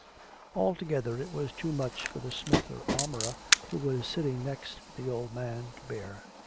Altogether it was too much for the smith or armourer, who was sitting next the old man, to bear.